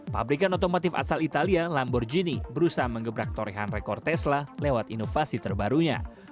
pabrikan otomotif asal italia lamborghini berusaha mengebrak torehan rekor tesla lewat inovasi terbarunya